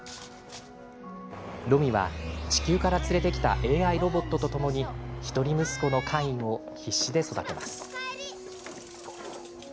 ロミは地球から連れてきたＡＩロボットとともに一人息子のカインを必死で育てます。